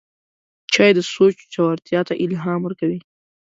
چای د سوچ ژورتیا ته الهام ورکوي